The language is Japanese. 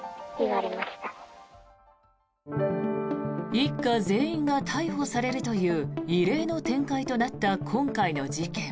一家全員が逮捕されるという異例の展開となった今回の事件。